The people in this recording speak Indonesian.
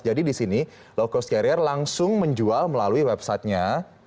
jadi di sini low cost carrier langsung menjual melalui website nya